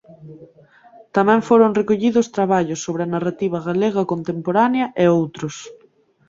Tamén foron recollidos traballos sobre a narrativa galega contemporánea e outros.